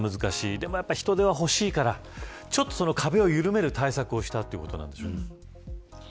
でも人手は欲しいからその壁を緩める対策をしたということなんでしょうか。